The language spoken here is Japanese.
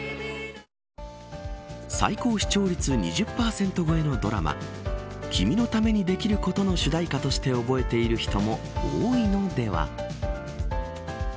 最高視聴率２０％超えのドラマ君のためにできることの主題歌として覚えている人も多いのでは。